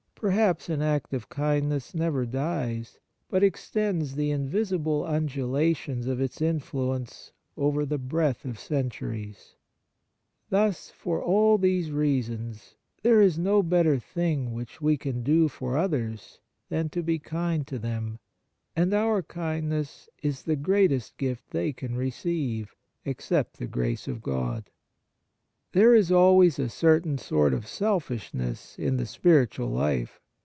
Perhaps an act of kindness never dies, but extends the invisible undulations of its influence over the breadth of centuries. On Kindness in General 37 Thus, for all these reasons there is no better thing which we can do for others than to be kind to them, and our kindness is the greatest gift • they can receive, except the grace of God. There is always a certain sort of selfish ness in the spiritual life.